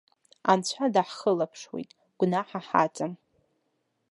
Анцәа даҳхылаԥшуеит, гәнаҳа ҳаҵам.